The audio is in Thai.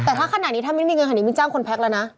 แต่ถ้าขนาดนี้ถ้าไม่มีเงินแห่งนี้มีกับจะคนแพ็คแล้วนะ